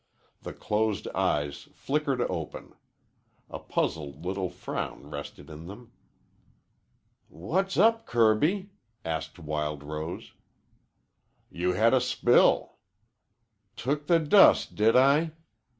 The closed eyes flickered open. A puzzled little frown rested in them. "What's up, Kirby?" asked Wild Rose. "You had a spill." "Took the dust, did I?"